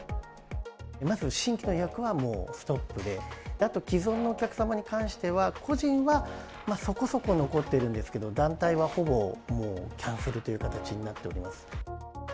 まず、新規の予約はもう、ストップで、あと既存のお客様に関しては、個人はそこそこ残っているんですけど、団体はほぼキャンセルという形になっております。